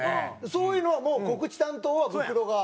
そういうのはもう告知担当はブクロが。